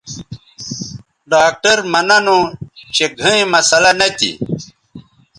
ڈاکٹر مہ ننو چہ گھئیں مسلہ نہ تھی